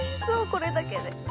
これだけで。